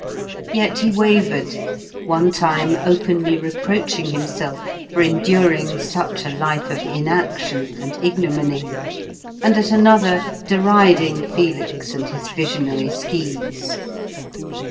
Yet he wavered, one time openly reproaching himself for enduring such a life of inaction and ignominy, and at another deriding Felix and his visionary schemes.